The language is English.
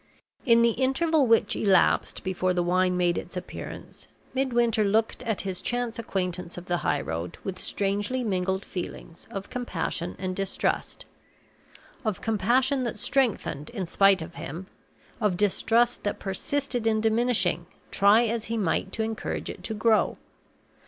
In the interval which elapsed before the wine made its appearance, Midwinter looked at his chance acquaintance of the high road with strangely mingled feelings of compassion and distrust of compassion that strengthened in spite of him; of distrust that persisted in diminishing, try as he might to encourage it to grow.